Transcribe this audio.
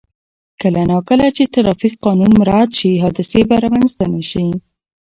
کله نا کله چې ترافیک قانون مراعت شي، حادثې به رامنځته نه شي.